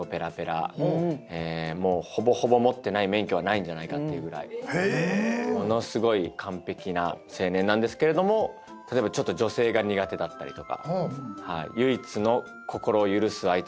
もうほぼほぼ持ってない免許はないんじゃないかっていうぐらいものすごい完璧な青年なんですけれども例えばちょっと女性が苦手だったりとか唯一の心を許す相手は猫。